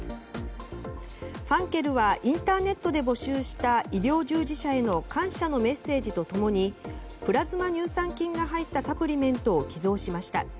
ファンケルはインターネットで募集した医療従事者への感謝のメッセージと共にプラズマ乳酸菌が入ったサプリメントを寄贈しました。